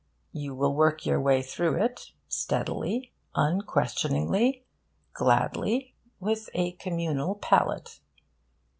You will work your way through it, steadily, unquestioningly, gladly, with a communal palate.